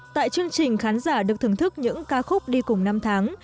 tại chương trình khán giả được thưởng thức những ca khúc đi cùng năm tháng